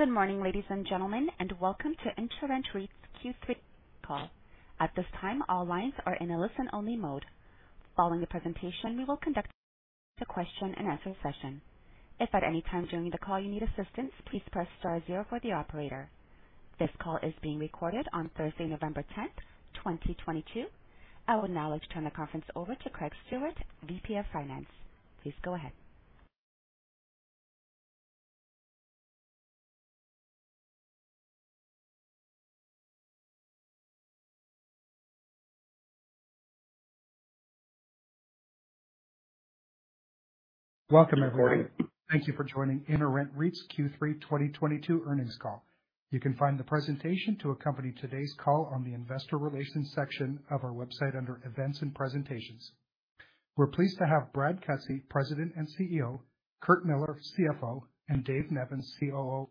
Good morning, ladies and gentlemen, and welcome to InterRent REIT's Q3 call. At this time, all lines are in a listen-only mode. Following the presentation, we will conduct a question and answer session. If at any time during the call you need assistance, please press star zero for the operator. This call is being recorded on Thursday, November 2022. I will now turn the conference over to Craig Stewart, VP of Finance. Please go ahead. Welcome, everybody. Thank you for joining InterRent REIT's Q3 2022 earnings call. You can find the presentation to accompany today's call on the investor relations section of our website under Events and Presentations. We're pleased to have Brad Cutsey, President and CEO, Curt Millar, CFO, and Dave Nevins, COO,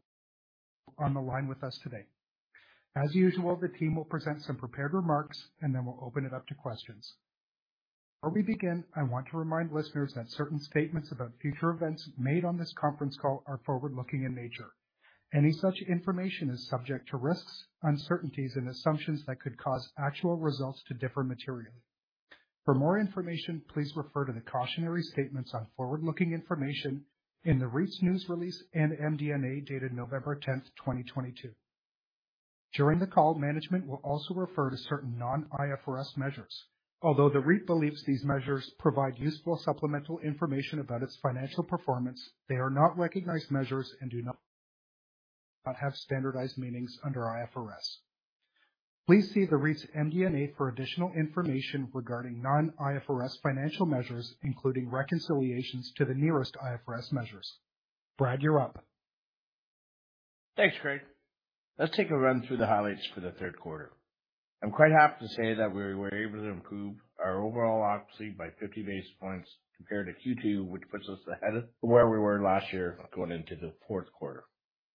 on the line with us today. As usual, the team will present some prepared remarks, and then we'll open it up to questions. Before we begin, I want to remind listeners that certain statements about future events made on this conference call are forward-looking in nature. Any such information is subject to risks, uncertainties, and assumptions that could cause actual results to differ materially. For more information, please refer to the cautionary statements on forward-looking information in the REIT's news release and MD&A dated November 10, 2022. During the call, management will also refer to certain non-IFRS measures. Although the REIT believes these measures provide useful supplemental information about its financial performance, they are not recognized measures and do not have standardized meanings under IFRS. Please see the REIT's MD&A for additional information regarding non-IFRS financial measures, including reconciliations to the nearest IFRS measures. Brad, you're up. Thanks, Craig. Let's take a run through the highlights for the third quarter. I'm quite happy to say that we were able to improve our overall occupancy by 50 basis points compared to Q2, which puts us ahead of where we were last year going into the fourth quarter.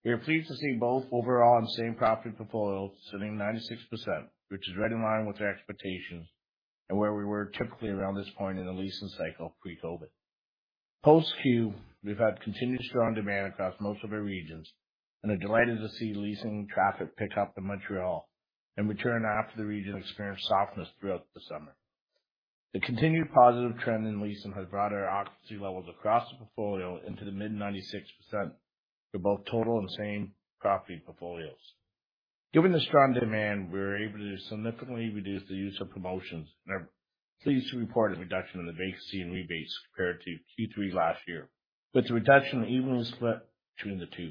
We are pleased to see both overall and same-property portfolios sitting 96%, which is right in line with our expectations and where we were typically around this point in the leasing cycle pre-COVID. Post-Q, we've had continued strong demand across most of the regions and are delighted to see leasing traffic pick up in Montreal and return after the region experienced softness throughout the summer. The continued positive trend in leasing has brought our occupancy levels across the portfolio into the mid-96% for both total and same property portfolios. Given the strong demand, we were able to significantly reduce the use of promotions, and I'm pleased to report a reduction in the vacancy and rebates compared to Q3 last year, with the reduction evenly split between the two.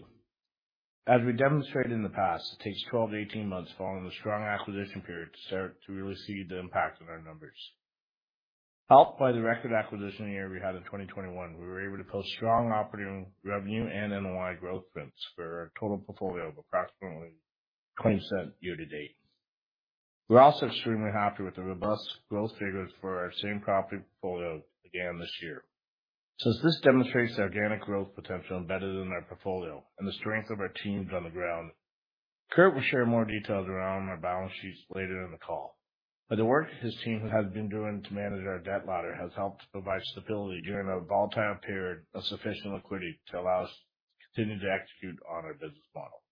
As we demonstrated in the past, it takes 12-18 months following a strong acquisition period to start to really see the impact on our numbers. Helped by the record acquisition year we had in 2021, we were able to post strong operating revenue and NOI growth rates for our total portfolio of approximately 20% year to date. We're also extremely happy with the robust growth figures for our same-property portfolio again this year. Since this demonstrates the organic growth potential embedded in our portfolio and the strength of our teams on the ground, Curt will share more details around our balance sheets later in the call. The work his team has been doing to manage our debt ladder has helped to provide stability during a volatile period of sufficient liquidity to allow us to continue to execute on our business model.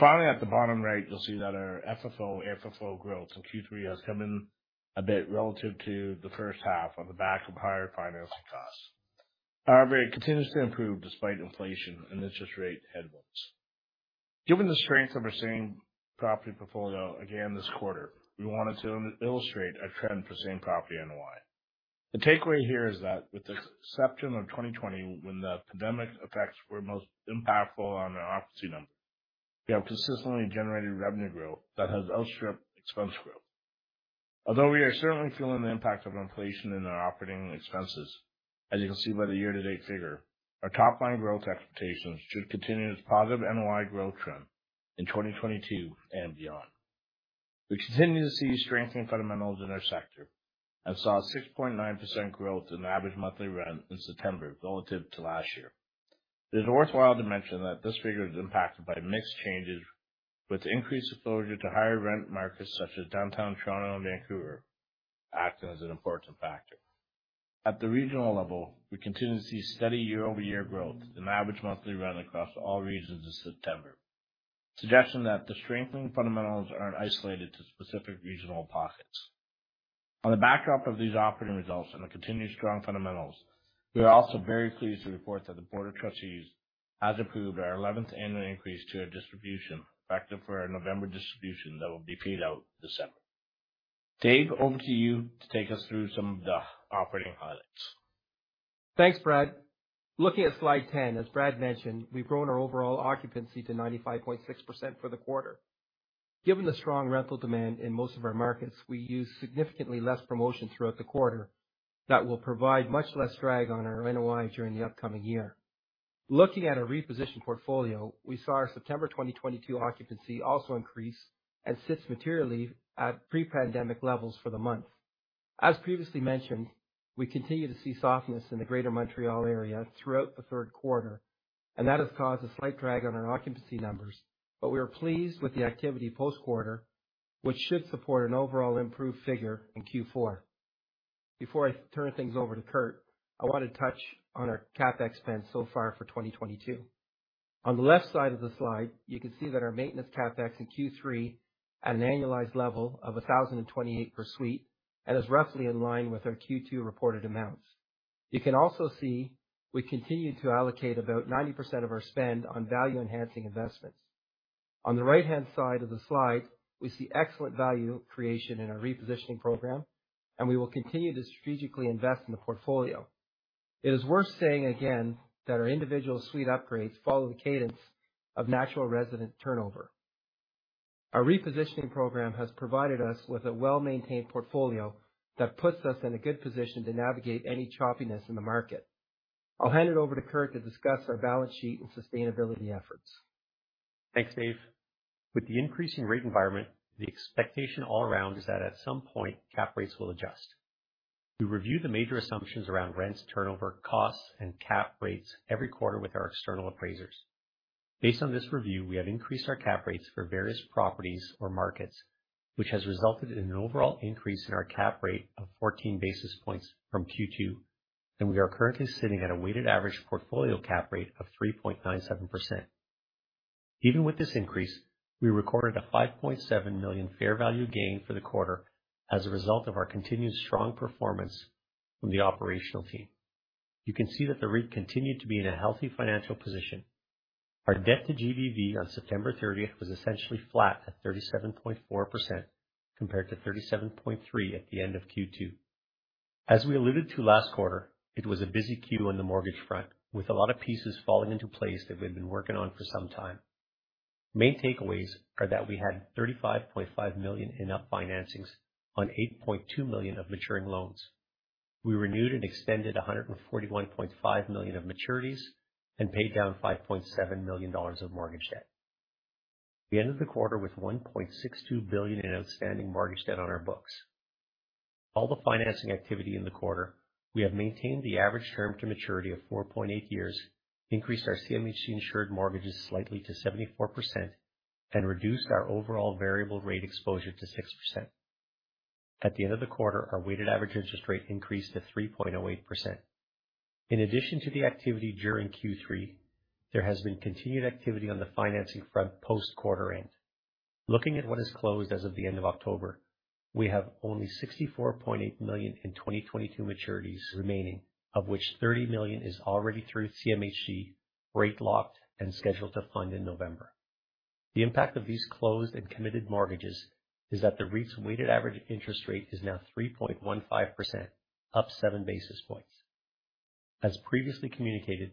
Finally, at the bottom right, you'll see that our FFO growth in Q3 has come in a bit relative to the first half on the back of higher financing costs. However, it continues to improve despite inflation and interest rate headwinds. Given the strength of our same-property portfolio again this quarter, we wanted to illustrate a trend for same-property NOI. The takeaway here is that with the exception of 2020, when the pandemic effects were most impactful on our occupancy numbers, we have consistently generated revenue growth that has outstripped expense growth. Although we are certainly feeling the impact of inflation in our operating expenses, as you can see by the year-to-date figure, our top-line growth expectations should continue this positive NOI growth trend in 2022 and beyond. We continue to see strengthening fundamentals in our sector and saw a 6.9% growth in average monthly rent in September relative to last year. It is worthwhile to mention that this figure is impacted by mixed changes, with increased exposure to higher rent markets such as downtown Toronto and Vancouver acting as an important factor. At the regional level, we continue to see steady year-over-year growth in average monthly rent across all regions in September, suggesting that the strengthening fundamentals aren't isolated to specific regional pockets. On the backdrop of these operating results and the continued strong fundamentals, we are also very pleased to report that the Board of Trustees has approved our eleventh annual increase to our distribution, effective for our November distribution that will be paid out this December. Dave, over to you to take us through some of the operating highlights. Thanks, Brad. Looking at slide 10, as Brad mentioned, we've grown our overall occupancy to 95.6% for the quarter. Given the strong rental demand in most of our markets, we used significantly less promotion throughout the quarter that will provide much less drag on our NOI during the upcoming year. Looking at a repositioned portfolio, we saw our September 2022 occupancy also increase and sits materially at pre-pandemic levels for the month. As previously mentioned, we continue to see softness in the greater Montreal area throughout the third quarter, and that has caused a slight drag on our occupancy numbers. We are pleased with the activity post-quarter, which should support an overall improved figure in Q4. Before I turn things over to Curt, I want to touch on our CapEx spend so far for 2022. On the left side of the slide, you can see that our maintenance CapEx in Q3 at an annualized level of 1,028 per suite and is roughly in line with our Q2 reported amounts. You can also see we continue to allocate about 90% of our spend on value-enhancing investments. On the right-hand side of the slide, we see excellent value creation in our repositioning program, and we will continue to strategically invest in the portfolio. It is worth saying again that our individual suite upgrades follow the cadence of natural resident turnover. Our repositioning program has provided us with a well-maintained portfolio that puts us in a good position to navigate any choppiness in the market. I'll hand it over to Curt to discuss our balance sheet and sustainability efforts. Thanks, Dave. With the increase in the rate environment, the expectation all around is that at some point, cap rates will adjust. We review the major assumptions around rents, turnover, costs, and cap rates every quarter with our external appraisers. Based on this review, we have increased our cap rates for various properties or markets, which has resulted in an overall increase in our cap rate of 14 basis points from Q2, and we are currently sitting at a weighted average portfolio cap rate of 3.97%. Even with this increase, we recorded a 5.7 million fair value gain for the quarter as a result of our continued strong performance from the operational team. You can see that the REIT continued to be in a healthy financial position. Our debt to GBV on September 30 was essentially flat at 37.4% compared to 37.3% at the end of Q2. As we alluded to last quarter, it was a busy Q on the mortgage front, with a lot of pieces falling into place that we've been working on for some time. Main takeaways are that we had 35.5 million in up financings on 8.2 million of maturing loans. We renewed and extended 141.5 million of maturities and paid down 5.7 million dollars of mortgage debt. We ended the quarter with 1.62 billion in outstanding mortgage debt on our books. All the financing activity in the quarter, we have maintained the average term to maturity of 4.8 years, increased our CMHC insured mortgages slightly to 74%, and reduced our overall variable rate exposure to 6%. At the end of the quarter, our weighted average interest rate increased to 3.08%. In addition to the activity during Q3, there has been continued activity on the financing front post-quarter end. Looking at what is closed as of the end of October, we have only 64.8 million in 2022 maturities remaining, of which 30 million is already through CMHC rate locked and scheduled to fund in November. The impact of these closed and committed mortgages is that the REIT's weighted average interest rate is now 3.15%, up 7 basis points. As previously communicated,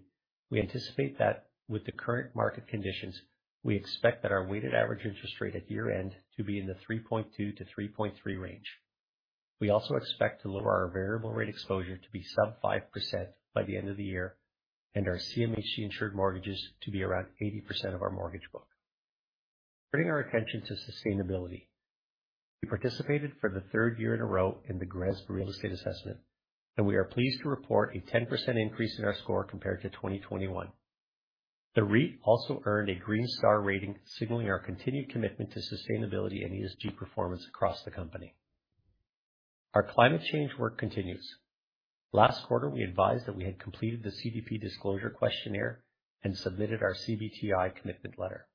we anticipate that with the current market conditions, we expect that our weighted average interest rate at year-end to be in the 3.2%-3.3% range. We also expect to lower our variable rate exposure to be sub 5% by the end of the year and our CMHC insured mortgages to be around 80% of our mortgage book. Turning our attention to sustainability. We participated for the third year in a row in the GRESB real estate assessment, and we are pleased to report a 10% increase in our score compared to 2021. The REIT also earned a green star rating, signaling our continued commitment to sustainability and ESG performance across the company. Our climate change work continues. Last quarter, we advised that we had completed the CDP disclosure questionnaire and submitted our SBTi commitment letter.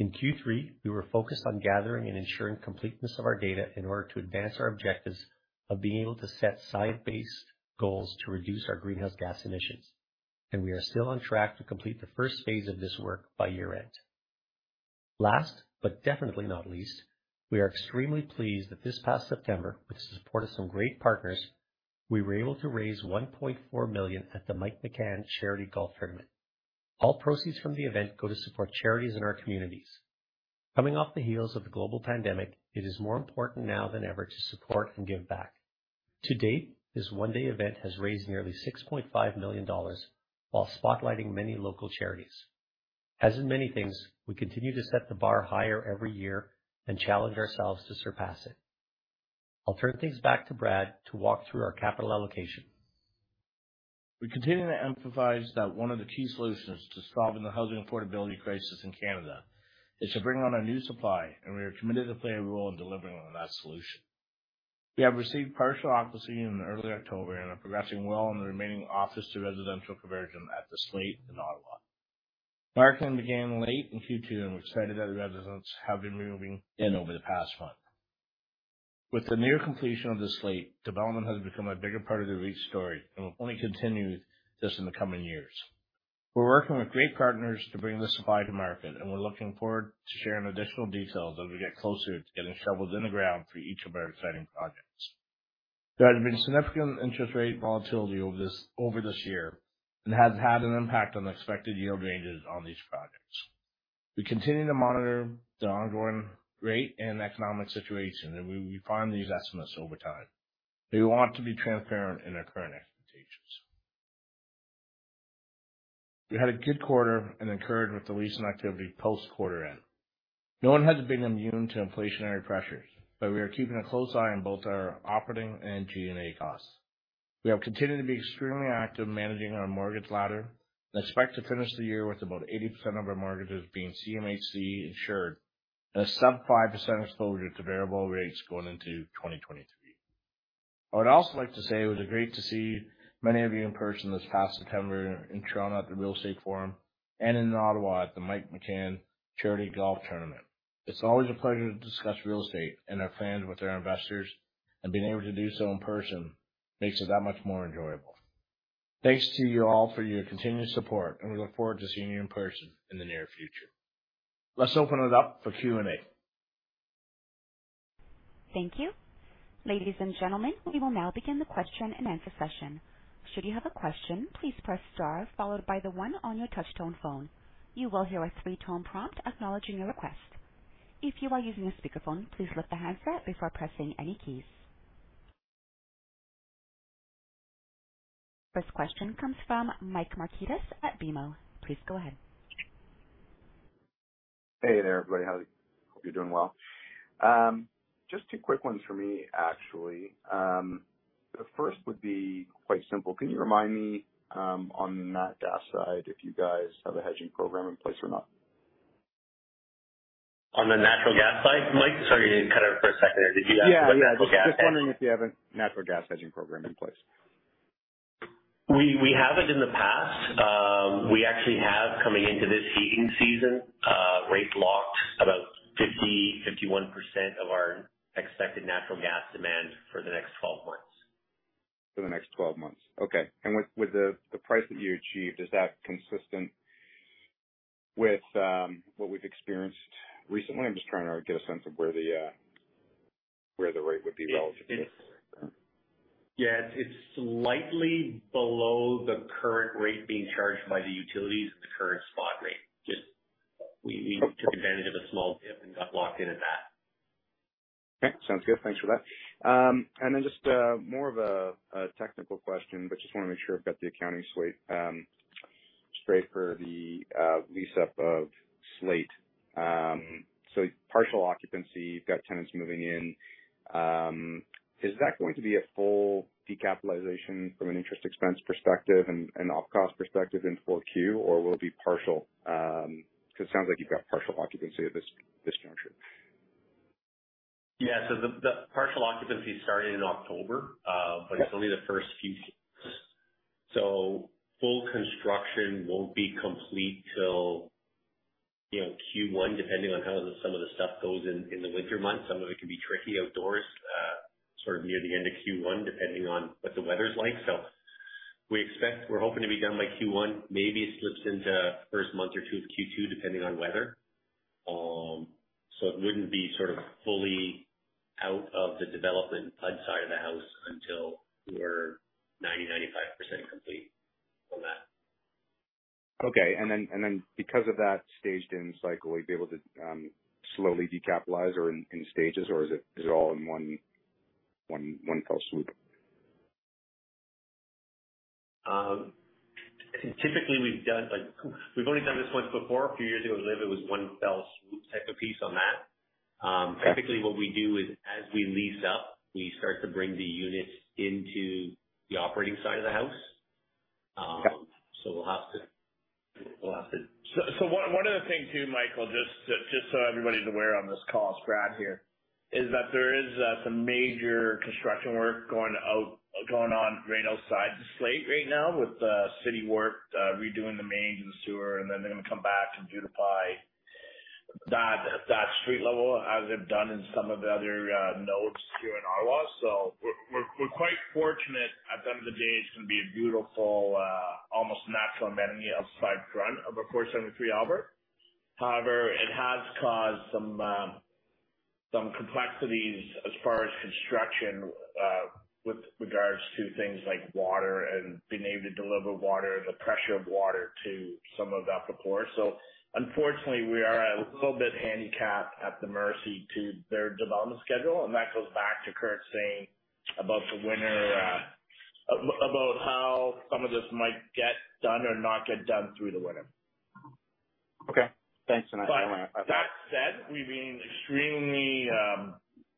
In Q3, we were focused on gathering and ensuring completeness of our data in order to advance our objectives of being able to set site-based goals to reduce our greenhouse gas emissions, and we are still on track to complete the first phase of this work by year-end. Last, but definitely not least, we are extremely pleased that this past September, with the support of some great partners, we were able to raise 1.4 million at the Mike McCann Charity Golf Tournament. All proceeds from the event go to support charities in our communities. Coming off the heels of the global pandemic, it is more important now than ever to support and give back. To date, this one-day event has raised nearly 6.5 million dollars while spotlighting many local charities. As in many things, we continue to set the bar higher every year and challenge ourselves to surpass it. I'll turn things back to Brad to walk through our capital allocation. We continue to emphasize that one of the key solutions to solving the housing affordability crisis in Canada is to bring on a new supply, and we are committed to play a role in delivering on that solution. We have received partial occupancy in early October and are progressing well in the remaining office to residential conversion at The Slate in Ottawa. Marketing began late in Q2, and we're excited that residents have been moving in over the past month. With the near completion of The Slate, development has become a bigger part of the REIT story and will only continue this in the coming years. We're working with great partners to bring the supply to market, and we're looking forward to sharing additional details as we get closer to getting shovels in the ground for each of our exciting projects. There has been significant interest rate volatility over this year and has had an impact on the expected yield ranges on these projects. We continue to monitor the ongoing rate and economic situation, and we refine these estimates over time, but we want to be transparent in our current expectations. We had a good quarter and are encouraged with the leasing activity post-quarter end. No one has been immune to inflationary pressures, but we are keeping a close eye on both our operating and G&A costs. We have continued to be extremely active managing our mortgage ladder and expect to finish the year with about 80% of our mortgages being CMHC insured and a sub-5% exposure to variable rates going into 2023. I would also like to say it was great to see many of you in person this past September in Toronto at the Real Estate Forum and in Ottawa at the Mike McCann Charity Golf Tournament. It's always a pleasure to discuss real estate and our plans with our investors, and being able to do so in person makes it that much more enjoyable. Thanks to you all for your continued support, and we look forward to seeing you in person in the near future. Let's open it up for Q&A. Thank you. Ladies and gentlemen, we will now begin the question-and-answer session. Should you have a question, please press star followed by the one on your touchtone phone. You will hear a three-tone prompt acknowledging your request. If you are using a speakerphone, please lift the handset before pressing any keys. First question comes from Mike Markidis at BMO. Please go ahead. Hey there, everybody. How are you? Hope you're doing well. Just two quick ones for me, actually. The first would be quite simple. Can you remind me, on that gas side if you guys have a hedging program in place or not? On the natural gas side. Mike, sorry, you cut out for a second. Did you ask about natural gas? Yeah. Just wondering if you have a natural gas hedging program in place. We haven't in the past. We actually have coming into this heating season, rate locked about 50%-51% of our expected natural gas demand for the next 12 months. For the next 12 months. Okay. With the price that you achieved, is that consistent with what we've experienced recently? I'm just trying to get a sense of where the rate would be relatively. Yeah. It's slightly below the current rate being charged by the utilities at the current spot rate. Just we took advantage of a small dip and got locked in at that. Okay, sounds good. Thanks for that. Just more of a technical question, but just wanna make sure I've got the accounting straight for the lease up of The Slate. Partial occupancy, you've got tenants moving in. Is that going to be a full decapitalization from an interest expense perspective and operating cost perspective in Q4 or will it be partial? Because it sounds like you've got partial occupancy at this juncture. Yeah. The partial occupancy started in October, but it's only the first few suites. Full construction won't be complete till, you know, Q1, depending on how some of the stuff goes in the winter months. Some of it can be tricky outdoors, sort of near the end of Q1, depending on what the weather's like. We expect we're hoping to be done by Q1. Maybe it slips into first month or two of Q2, depending on weather. It wouldn't be sort of fully out of the development PUD side of the house until we're 95% complete on that. Okay. Because of that staged in cycle, we'd be able to slowly decapitalize or in stages, or is it all in one fell swoop? I think typically we've done like. We've only done this once before a few years ago. It was one fell swoop type of piece on that. Typically what we do is as we lease up, we start to bring the units into the operating side of the house. We'll have to. One other thing too, Michael, just so everybody's aware on this call, it's Brad here, is that there is some major construction work going on Albert side to The Slate right now with city work, redoing the mains and the sewer, and then they're gonna come back and beautify that street level as they've done in some of the other nodes here in Ottawa. We're quite fortunate. At the end of the day, it's gonna be a beautiful almost natural amenity outside front of 473 Albert. However, it has caused some complexities as far as construction with regards to things like water and being able to deliver water, the pressure of water to some of that before. Unfortunately, we are a little bit handicapped at the mercy to their development schedule, and that goes back to Curt saying about the winter, about how some of this might get done or not get done through the winter. Okay. Thanks. That said, we've been extremely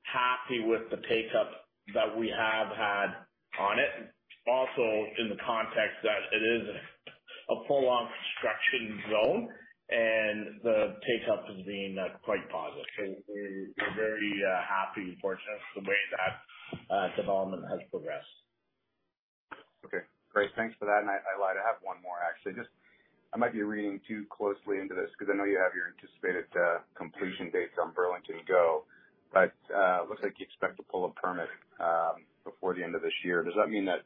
happy with the take up that we have had on it. Also in the context that it is a prolonged construction zone and the take up has been quite positive. We're very happy and fortunate with the way that development has progressed. Okay, great. Thanks for that. I lied. I have one more, actually. I might be reading too closely into this because I know you have your anticipated completion dates on Burlington GO, but looks like you expect to pull a permit before the end of this year. Does that mean that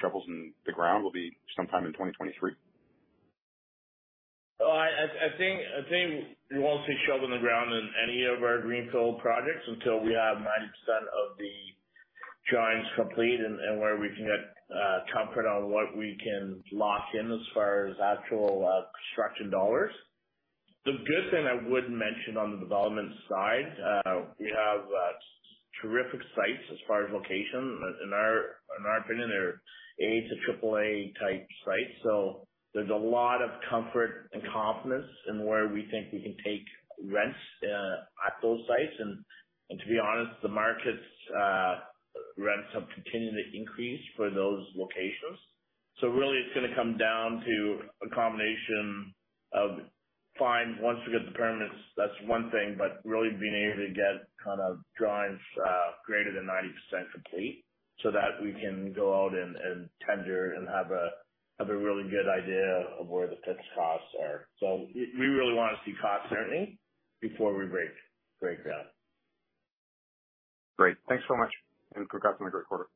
shovels in the ground will be sometime in 2023? Well, I think you won't see shovels in the ground in any of our greenfield projects until we have 90% of the drawings complete and where we can get comfort on what we can lock in as far as actual construction dollars. The good thing I would mention on the development side, we have terrific sites as far as location. In our opinion, they're A- to triple-A type site. So there's a lot of comfort and confidence in where we think we can take rents at those sites. To be honest, the market rents have continued to increase for those locations. Really it's gonna come down to a combination of once we get the permits, that's one thing, but really being able to get kind of drawings greater than 90% complete so that we can go out and tender and have a really good idea of where the fixed costs are. We really wanna see cost certainty before we break ground. Great. Thanks so much, and congrats on a great quarter.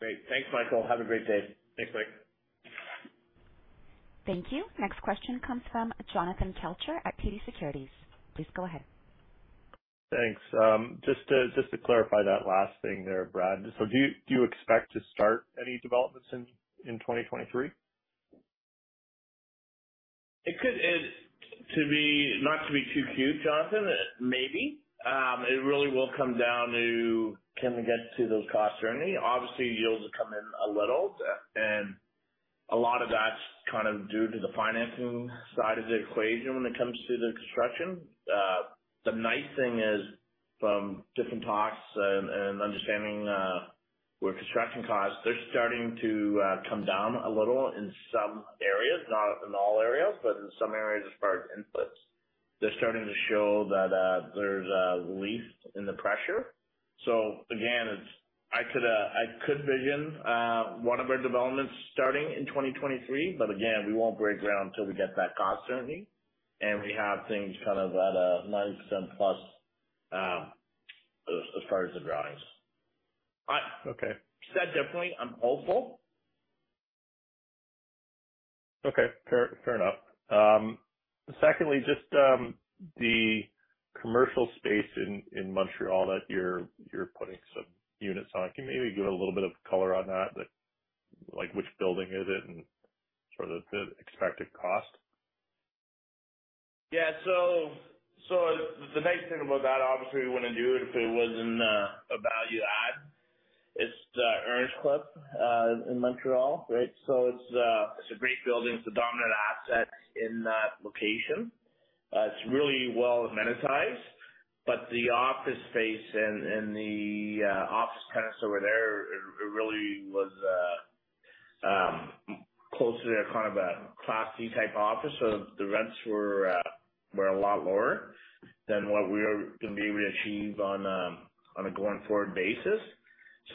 Great. Thanks, Michael. Have a great day. Thanks, Mike. Thank you. Next question comes from Jonathan Kelcher at TD Securities. Please go ahead. Thanks. Just to clarify that last thing there, Brad. Do you expect to start any developments in 2023? Not to be too cute, Jonathan, maybe. It really will come down to, can we get to those cost targets? Obviously, yields will come in a little. A lot of that's kind of due to the financing side of the equation when it comes to the construction. The nice thing is from different talks and understanding with construction costs, they're starting to come down a little in some areas. Not in all areas, but in some areas as far as inputs. They're starting to show that there's a relief in the pressure. I could envision one of our developments starting in 2023, but again, we won't break ground till we get that cost certainty, and we have things kind of at a 90% plus, as far as the drawings. Okay. Said definitely, I'm hopeful. Okay. Fair enough. Secondly, just the commercial space in Montreal that you're putting some units on. Can you maybe give a little bit of color on that? Like which building is it and sort of the expected cost? Yeah. The nice thing about that, obviously we wouldn't do it if it wasn't a value add. It's the Ernst Club in Montreal, right? It's a great building. It's a dominant asset in that location. It's really well amenitized. But the office space and the office tenants over there, it really was closer to kind of a class C type office. The rents were a lot lower than what we're gonna be able to achieve on a going forward basis.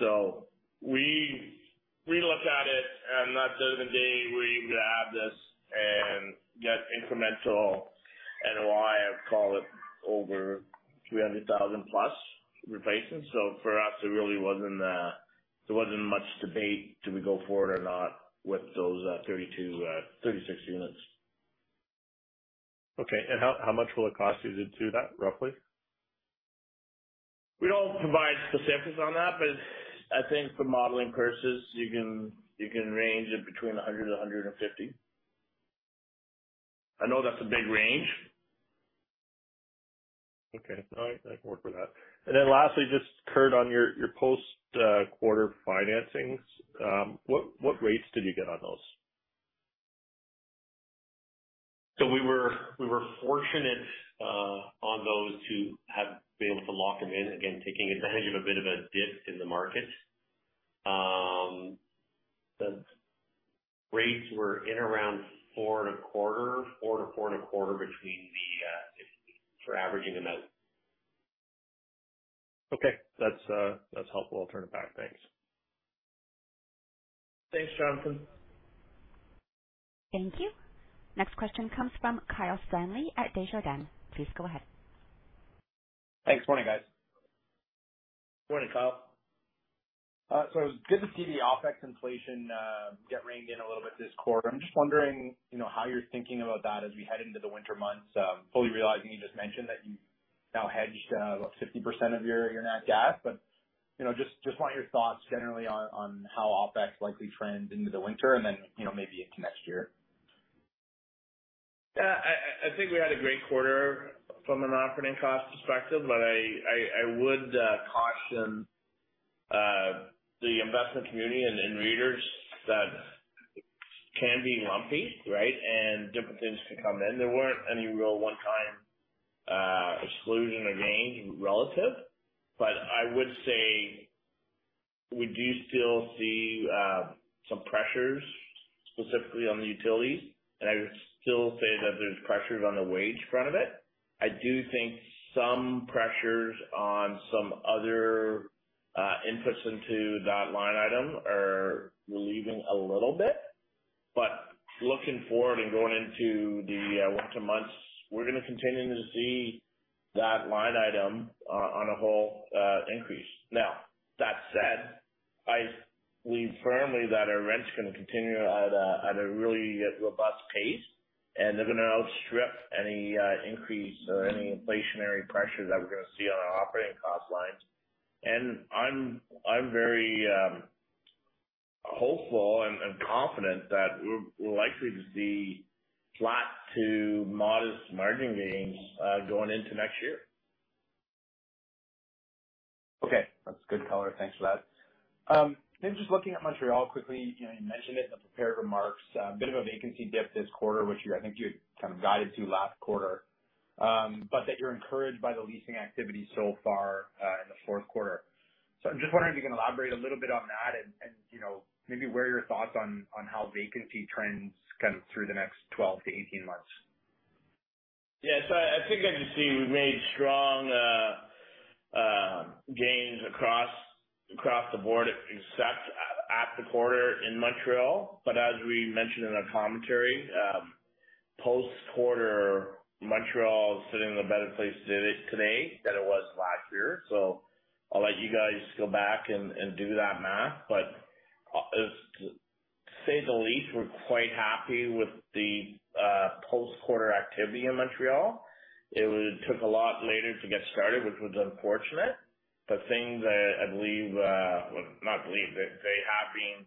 We looked at it and at the end of the day, we grab this and get incremental NOI, I'd call it, over 300,000 plus replacement. For us, it really wasn't much debate, do we go forward or not with those 32, 36 units. Okay. How much will it cost you to do that, roughly? We don't provide specifics on that, but I think for modeling purposes, you can range it between 100 to 150. I know that's a big range. Okay. No, I can work with that. Then lastly, just Curt, on your post-quarter financings, what rates did you get on those? We were fortunate on those to have been able to lock them in. Again, taking advantage of a bit of a dip in the market. The rates were around 4.25%, 4%-4.25%. If we're averaging them out. Okay. That's, that's helpful. I'll turn it back. Thanks. Thanks, Jonathan. Thank you. Next question comes from Kyle Stanley at Desjardins. Please go ahead. Thanks. Morning, guys. Morning, Kyle. It was good to see the OpEx inflation get reined in a little bit this quarter. I'm just wondering, you know, how you're thinking about that as we head into the winter months. Fully realizing you just mentioned that you've now hedged what, 50% of your net gas. You know, just want your thoughts generally on how OpEx likely trends into the winter and then, you know, maybe into next year. Yeah. I think we had a great quarter from an operating cost perspective, but I would caution the investment community and readers that it can be lumpy, right? Different things can come in. There weren't any real one-time exclusion or gains relative. I would say we do still see some pressures specifically on the utilities, and I would still say that there's pressures on the wage front of it. I do think some pressures on some other inputs into that line item are relieving a little bit. Looking forward and going into the winter months, we're gonna continue to see that line item on a whole increase. Now, that said, I believe firmly that our rents are gonna continue at a really robust pace, and they're gonna outstrip any increase or any inflationary pressures that we're gonna see on our operating cost lines. I'm very hopeful and confident that we're likely to see flat to modest margin gains going into next year. Okay, that's good color. Thanks for that. Maybe just looking at Montreal quickly. You know, you mentioned it in the prepared remarks, a bit of a vacancy dip this quarter, I think you kind of guided to last quarter, but that you're encouraged by the leasing activity so far in the fourth quarter. I'm just wondering if you can elaborate a little bit on that and, you know, maybe what are your thoughts on how vacancy trends kind of through the next 12-18 months. I think we've just seen strong gains across the board, except in the quarter in Montreal. As we mentioned in our commentary, post-quarter, Montreal is sitting in a better place today than it was last year. I'll let you guys go back and do that math. To say the least, we're quite happy with the post-quarter activity in Montreal. It took a lot longer to get started, which was unfortunate. Things have been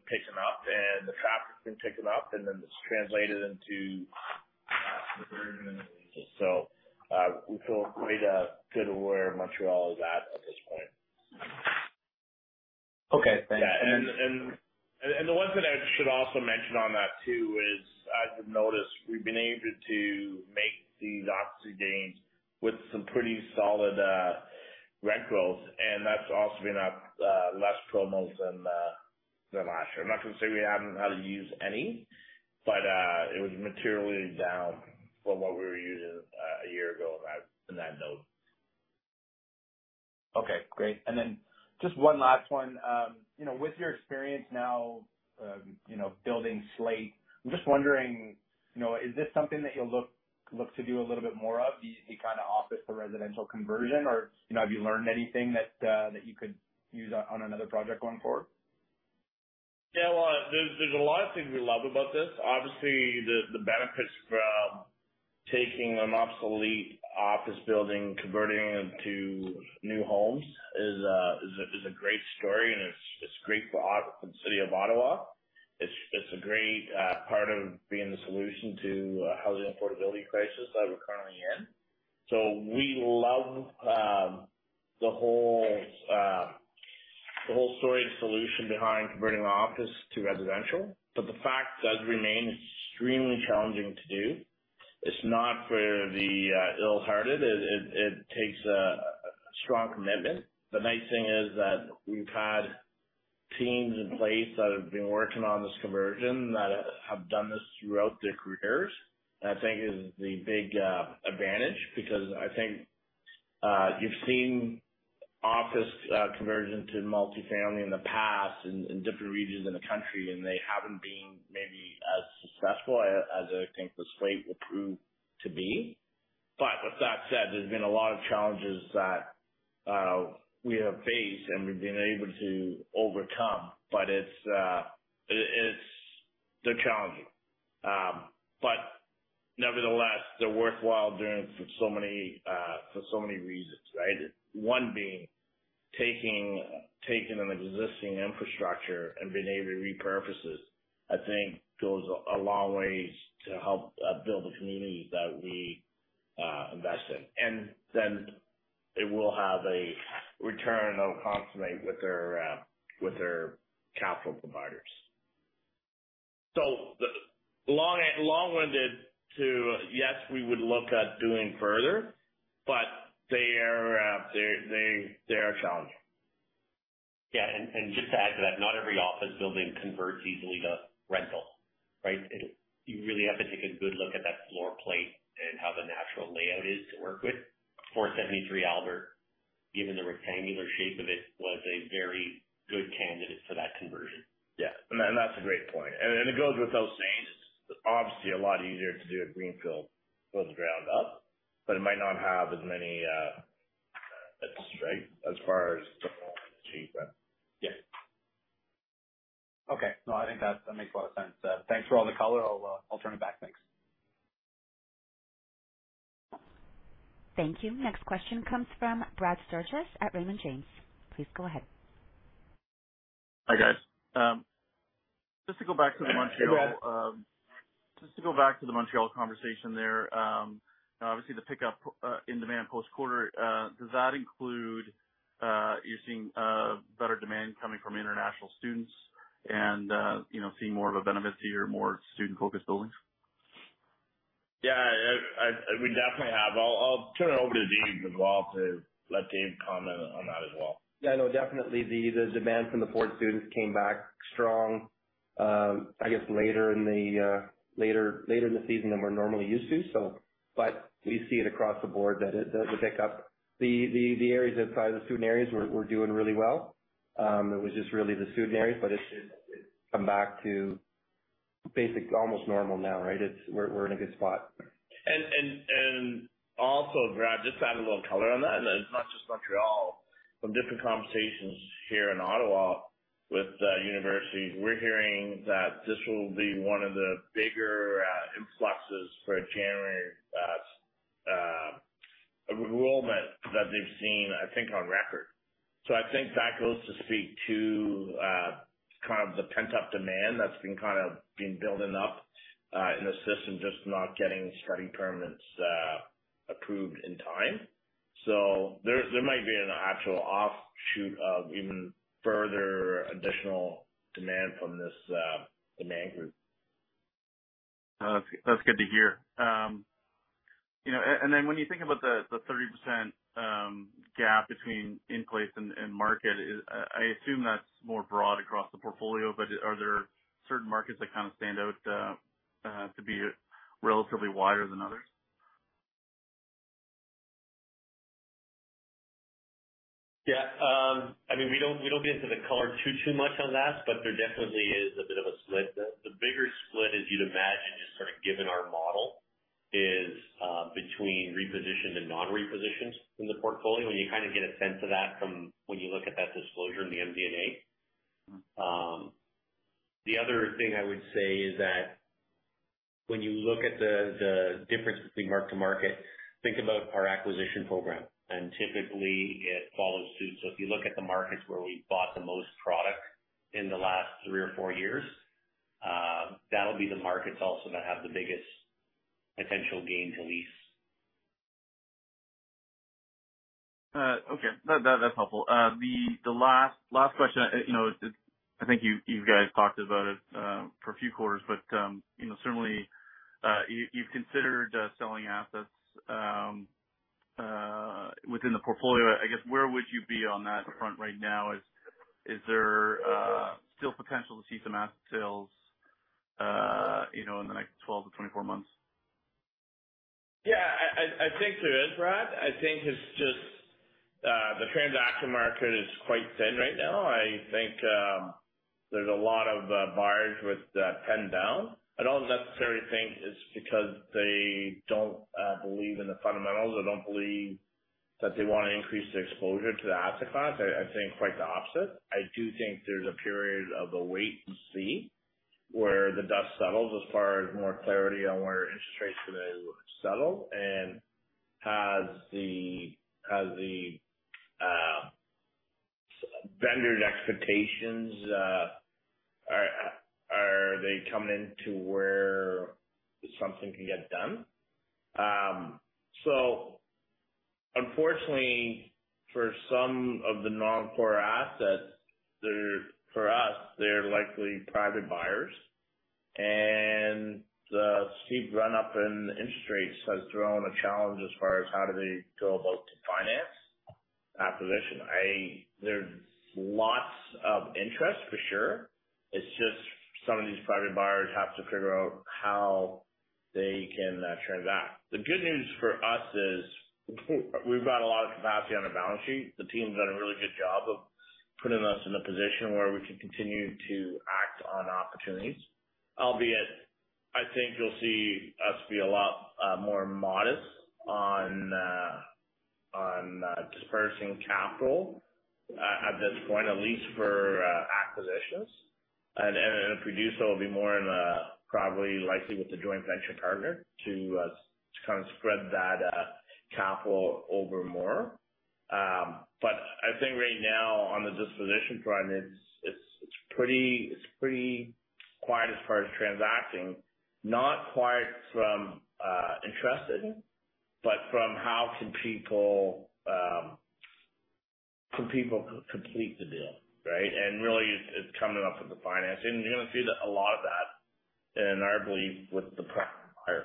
picking up and the traffic has been picking up and then it's translated into conversions and leases. We feel quite good where Montreal is at this point. Okay, thanks. Yeah. The one thing I should also mention on that too is I've noticed we've been able to make these occupancy gains with some pretty solid rent rolls, and that's also been less promos than last year. I'm not gonna say we haven't had to use any, but it was materially down from what we were using a year ago on that note. Okay, great. Just one last one. With your experience now, you know, building Slate, I'm just wondering, you know, is this something that you'll look to do a little bit more of? Do you see kind of office-to-residential conversion or, you know, have you learned anything that you could use on another project going forward? Yeah. Well, there's a lot of things we love about this. Obviously, the benefits from taking an obsolete office building, converting them to new homes is a great story and it's great for the city of Ottawa. It's a great part of being the solution to housing affordability crisis that we're currently in. We love the whole story solution behind converting office to residential. The fact does remain it's extremely challenging to do. It's not for the faint-hearted. It takes a strong commitment. The nice thing is that we've had teams in place that have been working on this conversion, that have done this throughout their careers, and I think is the big advantage. Because I think, you've seen office conversion to multifamily in the past in different regions in the country, and they haven't been maybe as successful as I think The Slate will prove to be. With that said, there's been a lot of challenges that we have faced, and we've been able to overcome. They're challenging. Nevertheless, they're worthwhile doing for so many reasons, right? One being taking an existing infrastructure and being able to repurpose it, I think goes a long ways to help build the communities that we invest in. Then it will have a return commensurate with their capital providers. Long-winded to yes, we would look at doing further, but they are challenging. Just to add to that, not every office building converts easily to rental, right? You really have to take a good look at that floor plate and how the natural layout is to work with. 473 Albert, given the rectangular shape of it, was a very good candidate for that conversion. Yeah. That's a great point, and it goes without saying it's obviously a lot easier to do a greenfield from the ground up, but it might not have as many bits, right, as far as the achievement. Yeah. Okay. No, I think that makes a lot of sense. Thanks for all the color. I'll turn it back. Thanks. Thank you. Next question comes from Brad Sturges at Raymond James. Please go ahead. Hi, guys. Just to go back to the Montreal- Hey, Brad. Just to go back to the Montreal conversation there. Obviously, the pickup in demand post-quarter does that include you're seeing better demand coming from international students and you know seeing more of a benefit to your more student-focused buildings? Yeah, we definitely have. I'll turn it over to Dave as well, to let Dave comment on that as well. Yeah, no, definitely the demand from the foreign students came back strong. I guess later in the season than we're normally used to. We see it across the board that the pickup, the areas outside the student areas were doing really well. It was just really the student areas, but it's come back to basics, almost normal now, right? We're in a good spot. also, Brad, just to add a little color on that, it's not just Montreal. From different conversations here in Ottawa with universities, we're hearing that this will be one of the bigger influxes for January enrollment that they've seen, I think, on record. I think that goes to speak to kind of the pent-up demand that's been kind of building up in the system, just not getting study permits approved in time. There might be an actual offshoot of even further additional demand from this demand group. That's good to hear. You know, and then when you think about the 30% gap between in place and market, I assume that's more broad across the portfolio, but are there certain markets that kind of stand out to be relatively wider than others? Yeah. I mean, we don't get into the color too much on that, but there definitely is a bit of a split. The bigger split, as you'd imagine, just sort of given our model, is between repositioned and non-repositioned in the portfolio. You kind of get a sense of that from when you look at that disclosure in the MD&A. The other thing I would say is that when you look at the difference between mark-to-market, think about our acquisition program, and typically it follows suit. If you look at the markets where we bought the most product in the last three or four years, that'll be the markets also that have the biggest potential gain to lease. Okay. That's helpful. The last question. You know, I think you guys talked about it for a few quarters, but you know, certainly, you've considered selling assets within the portfolio. I guess, where would you be on that front right now? Is there still potential to see some asset sales, you know, in the next 12 to 24 months? Yeah, I think there is, Brad. I think it's just the transaction market is quite thin right now. I think there's a lot of buyers with their pen down. I don't necessarily think it's because they don't believe in the fundamentals or don't believe that they wanna increase their exposure to the asset class. I think quite the opposite. I do think there's a period of a wait and see, where the dust settles as far as more clarity on where interest rates today would settle and has the vendor's expectations, are they coming into where something can get done. Unfortunately for some of the non-core assets, they're for us, they're likely private buyers. The steep run-up in interest rates has thrown a challenge as far as how do they go about to finance acquisition. There's lots of interest for sure. It's just some of these private buyers have to figure out how they can transact. The good news for us is we've got a lot of capacity on the balance sheet. The team's done a really good job of putting us in a position where we can continue to act on opportunities, albeit I think you'll see us be a lot more modest on dispersing capital at this point, at least for acquisitions. If we do so, it'll be more in probably likely with a joint venture partner to kind of spread that capital over more. I think right now on the disposition front, it's pretty quiet as far as transacting. Not quiet from interested, but from how can people complete the deal, right? Really it's coming up with the financing. You're gonna see that a lot of that in, I believe with the private buyer.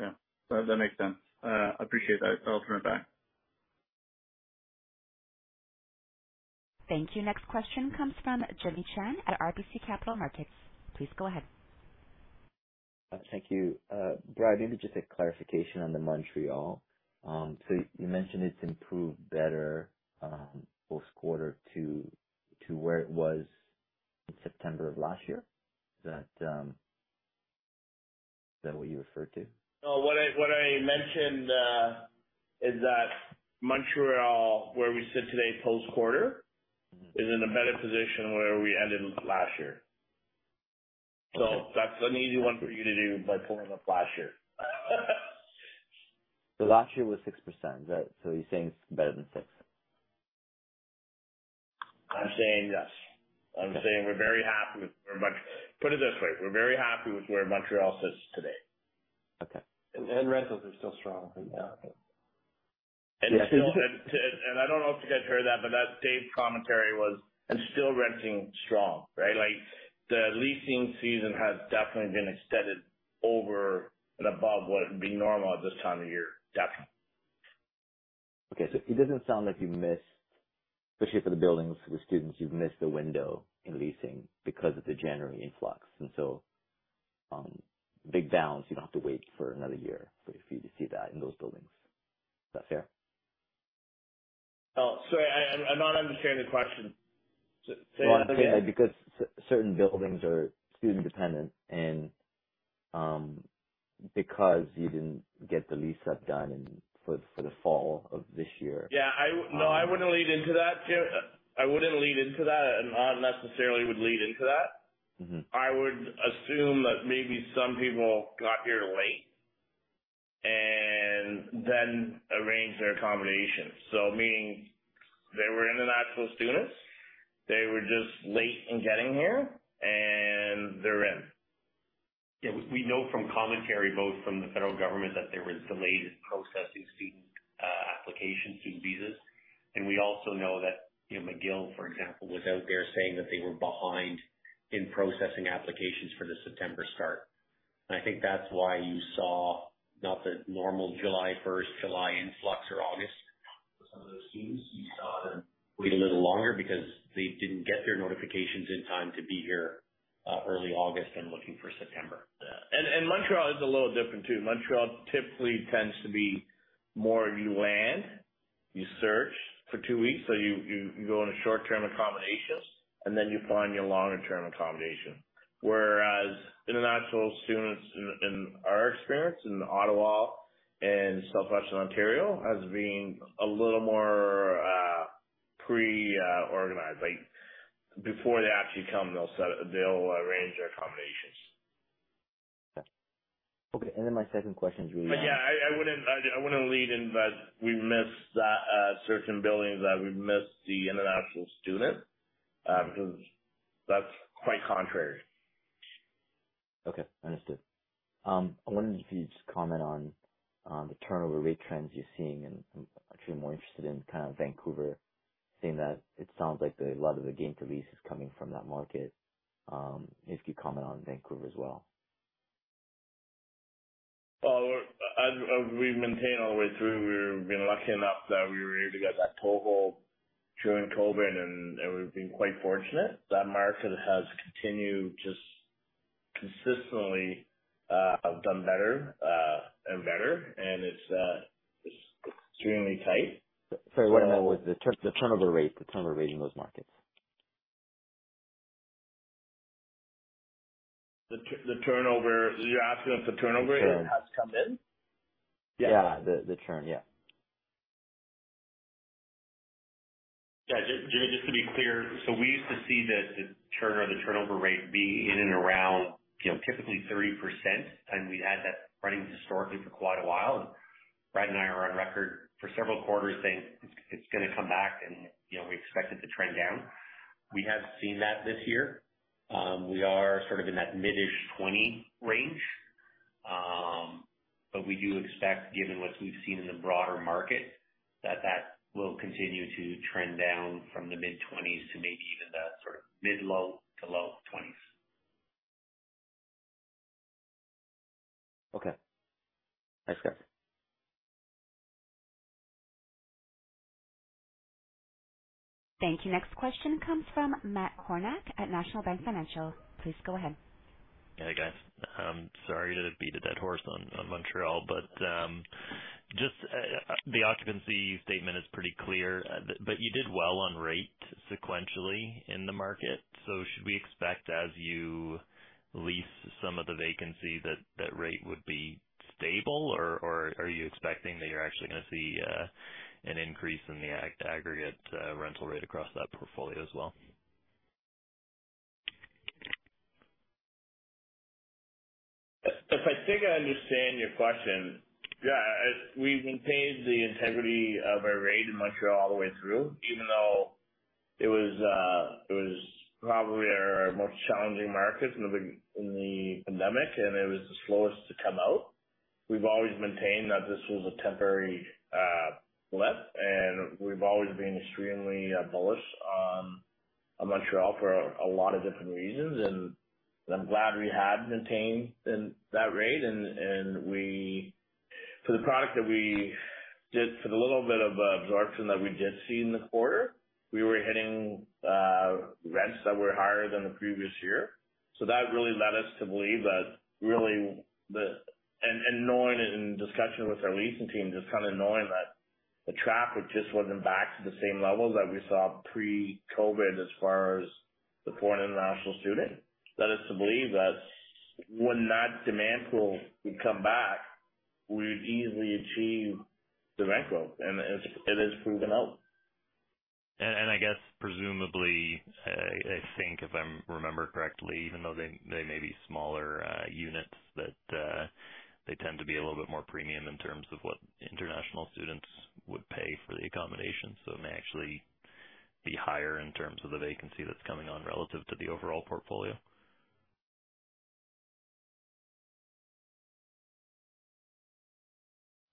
Yeah, that makes sense. I appreciate that. I'll turn it back. Thank you. Next question comes from Jimmy Shan at RBC Capital Markets. Please go ahead. Thank you. Brad, maybe just a clarification on the Montreal. You mentioned it's improved better, post-quarter to where it was in September of last year. Is that what you referred to? No. What I mentioned is that Montreal, where we sit today post-quarter Mm-hmm. is in a better position where we ended last year. Okay. That's an easy one for you to do by pulling up last year. Last year was 6%, right? You're saying it's better than 6%? I'm saying yes. Put it this way, we're very happy with where Montreal sits today. Okay. Rentals are still strong. Yeah. Yes. I don't know if you guys heard that, but that Dave commentary was and still renting strong, right? Like the leasing season has definitely been extended over and above what would be normal at this time of year. Definitely. Okay. It doesn't sound like you missed, especially for the buildings with students, you've missed the window in leasing because of the January influx, and so, big downs, you don't have to wait for another year for you to see that in those buildings. Is that fair? Oh, sorry, I'm not understanding the question. Say that again. Well, I'm saying that because certain buildings are student-dependent and because you didn't get the lease up done and for the fall of this year. Yeah. Um. No, I wouldn't lead into that and not necessarily would lead into that. Mm-hmm. I would assume that maybe some people got here late. Arrange their accommodation. Meaning they were international students, they were just late in getting here and they're in. Yeah. We know from commentary, both from the federal government, that there was delayed processing student applications, student visas. We also know that, you know, McGill, for example, was out there saying that they were behind in processing applications for the September start. I think that's why you saw not the normal July 1, July influx or August for some of those students. You saw them wait a little longer because they didn't get their notifications in time to be here early August and looking for September. Yeah. Montreal is a little different too. Montreal typically tends to be more you land, you search for two weeks. You go on short-term accommodations, and then you find your longer term accommodation. Whereas international students in our experience in Ottawa and Southwestern Ontario has been a little more pre-organized. Like before they actually come, they'll arrange their accommodations. Okay. My second question is really. Yeah, I wouldn't believe we missed that certain buildings that we've missed the international student because that's quite contrary. Okay. Understood. I wondered if you'd just comment on the turnover rate trends you're seeing, and I'm actually more interested in kind of Vancouver, seeing that it sounds like a lot of the gain to lease is coming from that market. If you could comment on Vancouver as well. Well, as we've maintained all the way through, we've been lucky enough that we were able to get that toehold during COVID, and we've been quite fortunate. That market has continued just consistently done better and better. It's extremely tight. Sorry, what about the turnover rate in those markets? You're asking if the turnover rate has come in? Yeah. The turn, yeah. Yeah. Just to be clear. We used to see the turn or the turnover rate be in and around, you know, typically 30%, and we had that running historically for quite a while. Brad and I are on record for several quarters saying it's gonna come back, and, you know, we expect it to trend down. We haven't seen that this year. We are sort of in that mid-ish 20% range. We do expect, given what we've seen in the broader market, that that will continue to trend down from the mid-20s to maybe even the sort of mid-low to low 20s. Okay. Thanks, guys. Thank you. Next question comes from Matt Kornack at National Bank Financial. Please go ahead. Hey, guys. I'm sorry to beat a dead horse on Montreal, but just the occupancy statement is pretty clear. But you did well on rate sequentially in the market. Should we expect as you lease some of the vacancies that rate would be stable or are you expecting that you're actually gonna see an increase in the aggregate rental rate across that portfolio as well? If I think I understand your question, yeah, we've maintained the integrity of our rate in Montreal all the way through. Even though it was, it was probably our most challenging market in the pandemic, and it was the slowest to come out. We've always maintained that this was a temporary blip, and we've always been extremely bullish on Montreal for a lot of different reasons. I'm glad we have maintained in that rate. For the product that we did, for the little bit of absorption that we did see in the quarter, we were hitting rents that were higher than the previous year. That really led us to believe that really the Knowing it in discussion with our leasing team, just kind of knowing that the traffic just wasn't back to the same levels that we saw pre-COVID as far as the foreign international student, led us to believe that when that demand pool would come back, we'd easily achieve the rent growth. It has proven out. I guess presumably, I think if I'm remember correctly, even though they may be smaller units, that they tend to be a little bit more premium in terms of what international students would pay for the accommodation. It may actually be higher in terms of the vacancy that's coming on relative to the overall portfolio.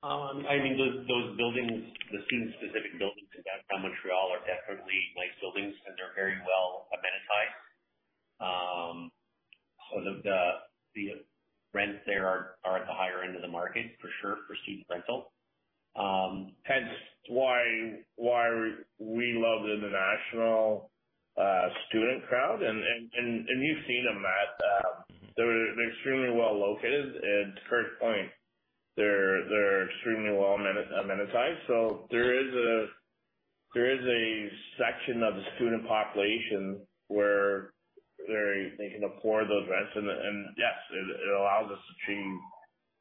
I mean, those buildings, the student-specific buildings in downtown Montreal are definitely nice buildings, and they're very well amenitized. The rents there are at the higher end of the market for sure for student rental. Hence why we love the international student crowd and you've seen them, Matt. They're extremely well located. To Curt's point, they're extremely well amenitized. There is a section of the student population where they can afford those rents. Yes, it allows us to achieve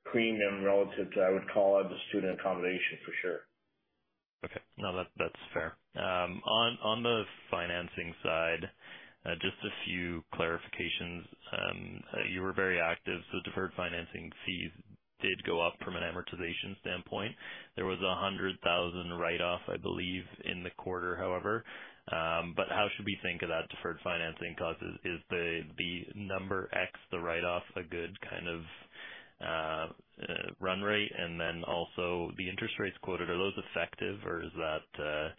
premium relative to, I would call it, the student accommodation for sure. Okay. No, that's fair. On the financing side, just a few clarifications. You were very active, so deferred financing fees did go up from an amortization standpoint. There was a 100,000 write-off, I believe, in the quarter, however. How should we think of that deferred financing cost? Is the number ex the write-off a good kind of run rate? And then also the interest rates quoted, are those effective or is that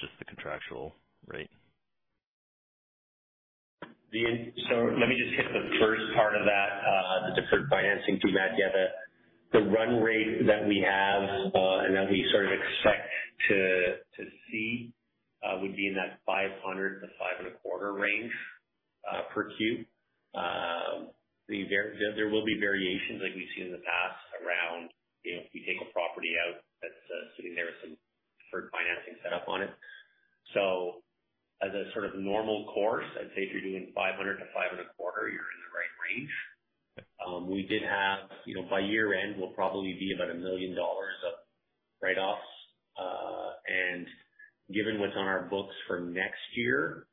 just the contractual rate? Let me just hit the first part of that, the deferred financing fee, Matt. Yeah, the run rate that we have and that we sort of expect to see would be in that 500-525 range per Q. There will be variations like we've seen in the past around, you know, if you take a property out that's sitting there with some deferred financing set up on it. As a sort of normal course, I'd say if you're doing 500-525, you're in the right range. You know, by year end, we'll probably be about 1 million dollars of write-offs. Given what's on our books for next year,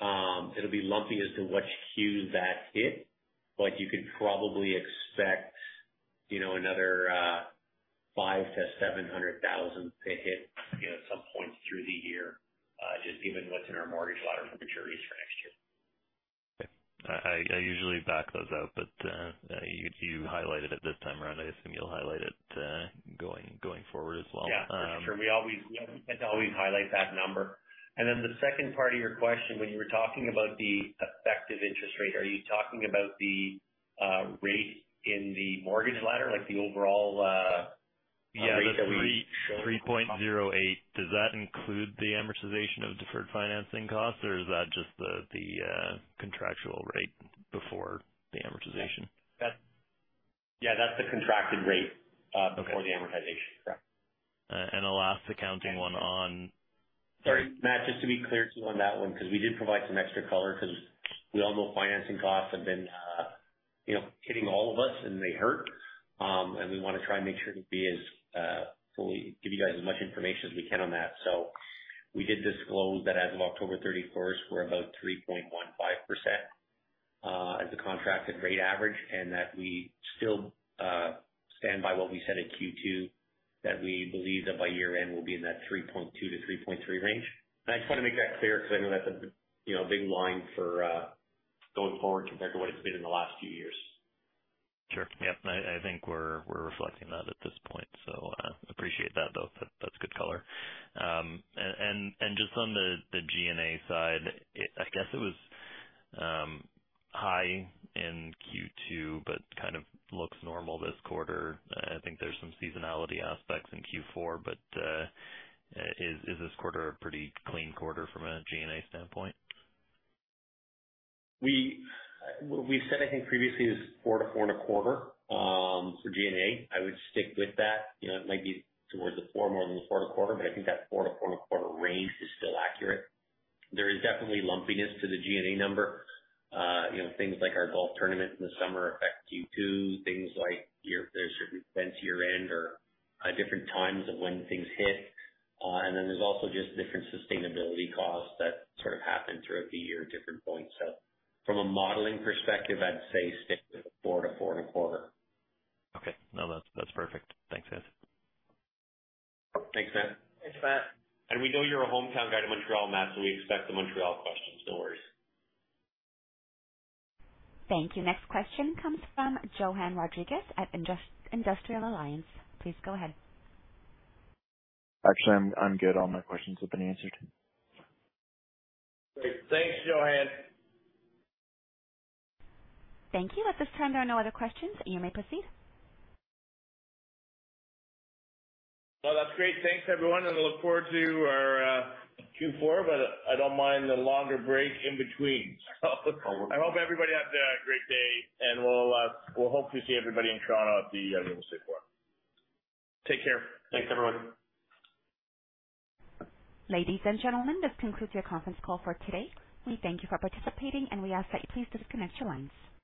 it'll be lumpy as to which Q that hit, but you could probably expect, you know, another 500 thousand-700 thousand to hit, you know, at some point through the year, just given what's in our mortgage ladder for maturities for next year. Okay. I usually back those out, but you highlight it at this time around. I assume you'll highlight it, going forward as well. Yeah, for sure. We have to always highlight that number. The second part of your question, when you were talking about the effective interest rate, are you talking about the rate in the mortgage ladder, like the overall? Yeah. Cap rate that we show? 3.08%. Does that include the amortization of deferred financing costs or is that just the contractual rate before the amortization? Yeah, that's the contracted rate. Okay. before the amortization. Yeah. A last accounting one on- Sorry, Matt, just to be clear to you on that one, 'cause we did provide some extra color 'cause we all know financing costs have been, you know, hitting all of us and they hurt. We wanna try and make sure to give you guys as much information as we can on that. We did disclose that as of October 31st, we're about 3.15%, as a contracted rate average, and that we still stand by what we said at Q2, that we believe that by year end we'll be in that 3.2%-3.3% range. I just wanna make that clear 'cause I know that's a, you know, big line for going forward compared to what it's been in the last few years. Sure. Yep. I think we're reflecting that at this point, so appreciate that though. That's good color. Just on the G&A side, I guess it was high in Q2 but kind of looks normal this quarter. I think there's some seasonality aspects in Q4, but is this quarter a pretty clean quarter from a G&A standpoint? What we've said, I think previously is 4%-4.25% for G&A. I would stick with that. You know, it might be towards the 4% more than the 4.25%, but I think that 4%-4.25% range is still accurate. There is definitely lumpiness to the G&A number. You know, things like our golf tournament in the summer affect Q2. Things like there's certain events year end or different times of when things hit. And then there's also just different sustainability costs that sort of happen throughout the year at different points. From a modeling perspective, I'd say stick with 4%-4.25%. Okay. No, that's perfect. Thanks, guys. Thanks, Matt. Thanks, Matt. We know you're a hometown guy to Montreal, Matt, so we expect the Montreal questions. No worries. Thank you. Next question comes from Johann Rodrigues at Industrial Alliance. Please go ahead. Actually, I'm good. All my questions have been answered. Great. Thanks, Johann. Thank you. At this time, there are no other questions. You may proceed. Well, that's great. Thanks, everyone, and we look forward to our Q4. I don't mind the longer break in between. I hope everybody has a great day, and we'll hope to see everybody in Toronto at the annual CREF. Take care. Thanks, everyone. Ladies and gentlemen, this concludes your conference call for today. We thank you for participating, and we ask that you please disconnect your lines.